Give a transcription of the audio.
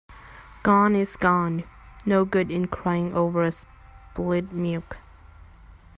Gone is gone. No good in crying over spilt milk.